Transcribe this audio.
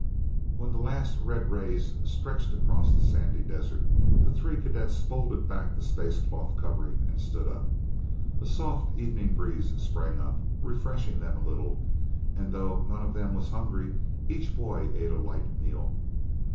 When the last red rays stretched across the sandy desert, the three cadets folded back the space cloth covering and stood up. A soft evening breeze sprang up, refreshing them a little, and though none of them was hungry, each boy ate a light meal.